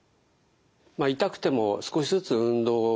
痛くても少しずつ運動をすればですね